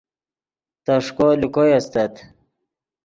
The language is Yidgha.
تݰکو لے کوئے استت